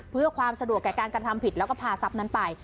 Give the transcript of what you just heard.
เพื่อความสะดวกแก่การกระทำผิดแล้วก็พาทรัพย์นั้นไป